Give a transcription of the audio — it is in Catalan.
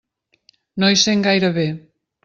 No hi sent gaire bé.